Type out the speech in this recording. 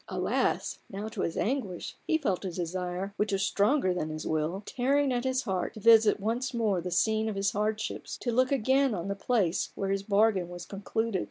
Alas ! now to his anguish he felt a desire, which was stronger than his will, tearing at his heart to visit once more the scene of his hardships, to look again on the place where his bargain was concluded.